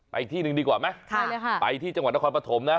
ไปที่นึงดีกว่าไหมใช่เลยค่ะไปที่จังหวัดนครปฐมนะ